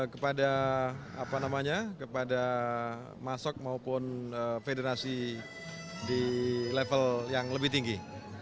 kepada apa namanya kepada masak maupun federasi di level yang lebih tinggi